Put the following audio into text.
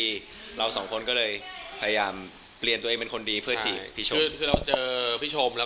ใช่คือเป็นคนของเลข